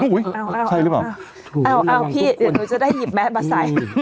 ใช่หรือเปล่าเอาพี่เดี๋ยวหนูจะได้หยิบแมสมาใส่